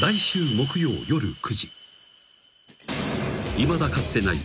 ［いまだかつてない］